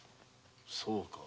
そうか。